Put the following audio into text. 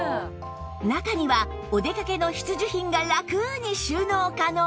中にはお出かけの必需品がラクに収納可能